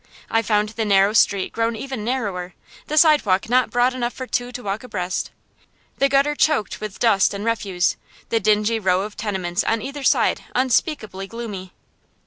I found the narrow street grown even narrower, the sidewalk not broad enough for two to walk abreast, the gutter choked with dust and refuse, the dingy row of tenements on either side unspeakably gloomy.